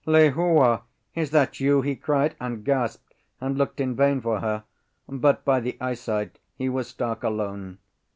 "Lehua! is that you?" he cried, and gasped, and looked in vain for her; but by the eyesight he was stark alone.